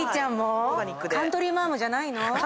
カントリーマアムじゃないの？